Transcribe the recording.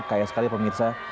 kaya sekali pemirsa